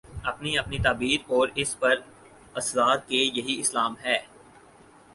اپنی اپنی تعبیر اور اس پر اصرار کہ یہی اسلام ہے۔